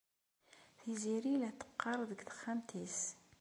Tiziri la teqqar deg texxamt-nnes.